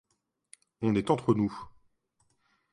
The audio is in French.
On est entre nous.